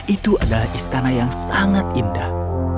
itu adalah istana yang sangat indah